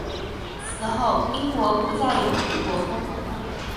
此后英国不再有护国公。